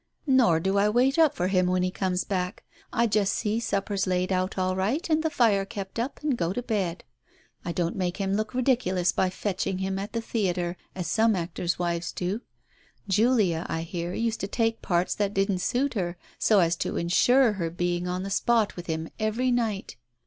Nor do I wait up for him when he comes back, I just see supper's laid out all right and the fire kept up ar>d go to bed. I don't make him look ridiculous by fetching him at the theatre, as some actors' wives do. Julia, I hear, used to take parts that didn't suit her, so as to ensure her being on the spot with him, every night.